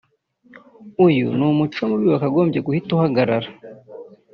Uyu ni umuco mubi wakagombye guhita uhagaragara”